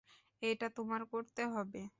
এটা তোমার করতে হবে।